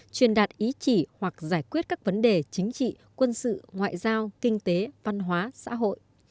truyền đạt ý chỉ hoặc giải quyết các vấn đề chính trị quân sự ngoại giao kinh tế văn hóa xã hội